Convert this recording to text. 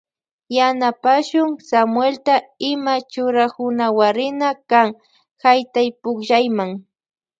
Yanapashun Samuelta ima churakunawarina kan haytaypukllayma.